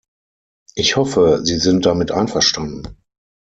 Ich hoffe, Sie sind damit einverstanden.